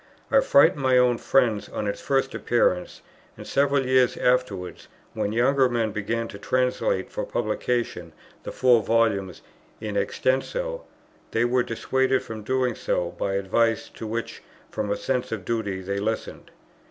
It frightened my own friends on its first appearance; and several years afterwards, when younger men began to translate for publication the four volumes in extenso, they were dissuaded from doing so by advice to which from a sense of duty they listened.